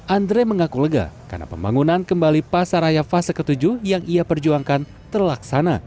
andre mengaku lega karena pembangunan kembali pasaraya fase ke tujuh yang ia perjuangkan terlaksana